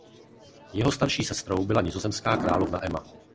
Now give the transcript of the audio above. Jeho starší sestrou byla nizozemská královna Emma.